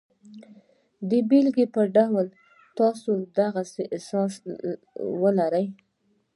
د بېلګې په توګه که تاسې د غسې احساس ولرئ